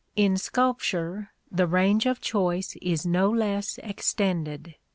In sculpture, the range of choice is no less extended.